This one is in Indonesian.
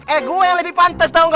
eh gue yang lebih pantes tau gak